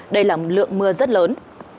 đây là lượng mưa rất lớn